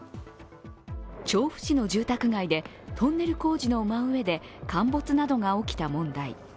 調布市の住宅街でトンネル工事の真上で陥没などが起きた問題。